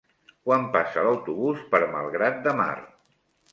Quan passa l'autobús per Malgrat de Mar?